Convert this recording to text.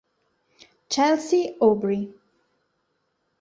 Chelsea Aubry